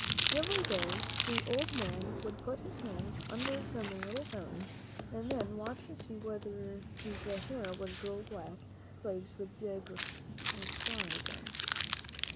Every day the old man would put his hands under some little foun tain, and then watch to see whether his hair would grow black and his legs strong again.